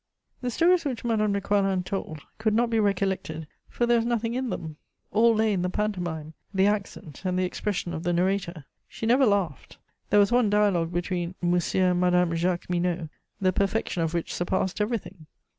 The stories which Madame de Coislin told could not be recollected, for there was nothing in them; all lay in the pantomime, the accent, and the expression of the narrator: she never laughed. There was one dialogue between "Monsieur and Madame Jacqueminot," the perfection of which surpassed everything.